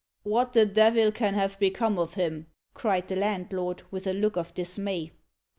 "What the devil can have become of him?" cried the landlord, with a look of dismay.